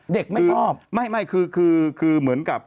เด็กไม่ชอบไม่ไม่คือคือเหมือนกับ